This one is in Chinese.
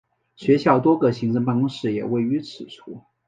学校多个行政办公室也位于此处。